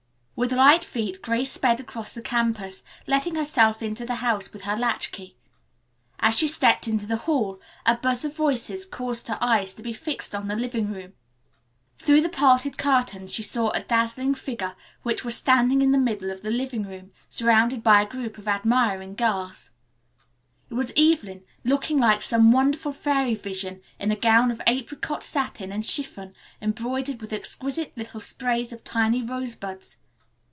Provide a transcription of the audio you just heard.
With light feet Grace sped across the campus, letting herself into the house with her latch key. As she stepped into the hall, a buzz of voices caused her eyes to be fixed on the living room. Through the parted curtains she saw a dazzling figure which was standing in the middle of the living room, surrounded by a group of admiring girls. It was Evelyn, looking like some wonderful fairy vision in a gown of apricot satin and chiffon, embroidered with exquisite little sprays of tiny rosebuds.